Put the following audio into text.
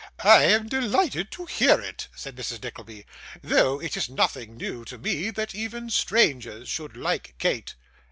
'I am delighted to hear it,' said Mrs. Nickleby; 'though it is nothing new to me, that even strangers should like Kate.